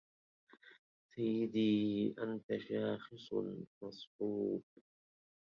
سيدي أنت شاخص مصحوب